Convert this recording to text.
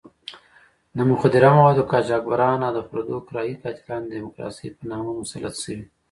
د مخدره موادو قاچاقبران او پردو کرایي قاتلان د ډیموکراسۍ په نامه مسلط شوي.